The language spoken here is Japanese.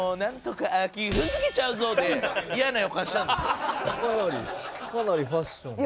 かなりかなりファッションね。